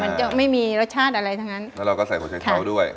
มันจะไม่มีรสชาติอะไรทั้งนั้นแล้วเราก็ใส่หัวใจเขาด้วย